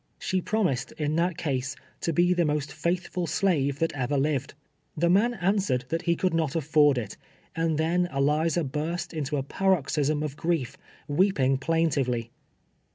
She promised, in that case, to be the most faithful slave tliat ever lived. Tlie man answered that he could not afford it, and then Eliza burst into a paroxysm of grief, wee})ing plain tively.